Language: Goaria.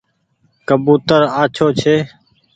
ڪبوتر آڇو ڇي۔